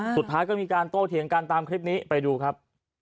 สุดท้ายก็มีการโต้เถียงกันตามคลิปนี้ไปดูครับ